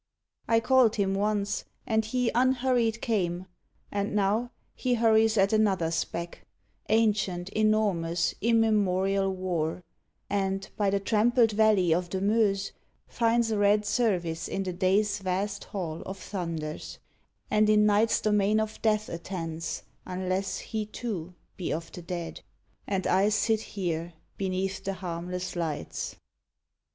16 HENRI I called him once, and he unhurried came; And now he hurries at Another s beck Ancient, enormous, immemorial War And, by the trampled valley of the Meuse, Finds a red service in the day s vast hall Of thunders, and in night s domain of death Attends, unless he too be of the dead. And I sit here beneath the harmless lights